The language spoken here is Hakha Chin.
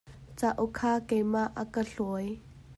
Cauk kha keimah a ka hluai.